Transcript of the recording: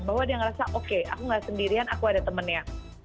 bahwa dia ngerasa oke aku gak sendirian aku ada temennya